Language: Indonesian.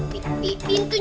ya aku mau makan